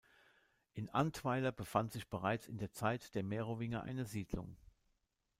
In Antweiler befand sich bereits in der Zeit der Merowinger eine Siedlung.